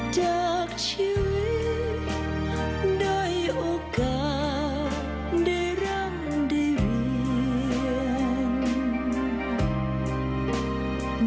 จากชีวิตได้โอกาสในร่ำได้เรียน